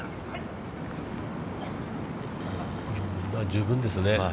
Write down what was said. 十分ですね。